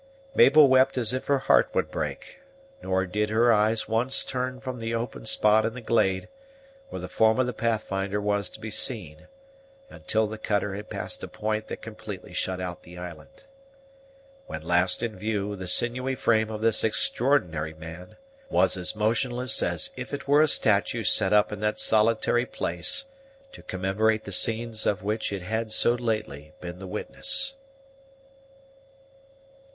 Mabel wept as if her heart would break; nor did her eyes once turn from the open spot in the glade, where the form of the Pathfinder was to be seen, until the cutter had passed a point that completely shut out the island. When last in view, the sinewy frame of this extraordinary man was as motionless as if it were a statue set up in that solitary place to commemorate the scenes of which it had so lately been the witness.